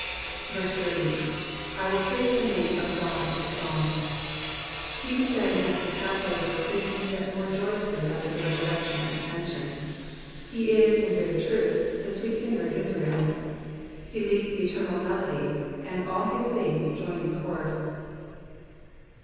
30. ^*I mil praise the name of Ood with a song,'''' He who sang after the passover, sings yet more joyously after the resurrection and ascension. He is, m very truth, the sweet singer of Israel." He leads the eternal melodies, and all his saints join in chorus.